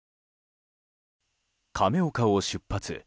亀岡を出発